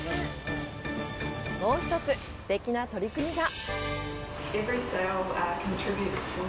もう一つ、すてきな取り組みが。